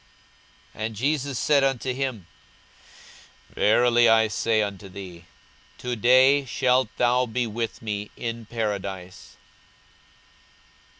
42:023:043 And Jesus said unto him, Verily I say unto thee, To day shalt thou be with me in paradise.